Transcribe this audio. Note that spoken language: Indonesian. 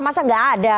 masa gak ada